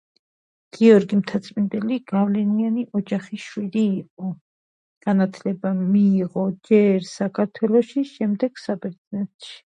მდინარის დინების მიმართულება ჩრდილოეთიდან სამხრეთისკენაა; ის ჩაედინება გვინეის ყურეში.